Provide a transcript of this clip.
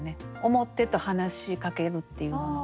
「思って」と「話しかける」っていうのが。